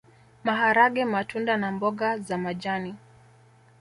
Maharage matunda na mboga za majani